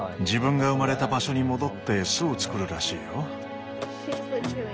自分が生まれた場所に戻って巣を作るらしいよ。